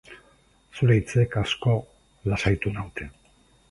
Zure hitzek asko lasaitu naute.